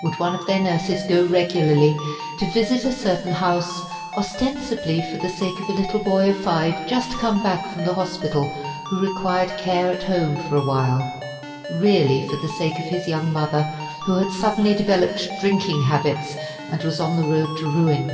Would one of their nurses go regularly to visit a certain house, ostensibly for the sake of a little boy of five just come back from the hospital, who required care at home for a while, really for the sake of his young mother, who had suddenly developed drinking habits and was on the road to ruin?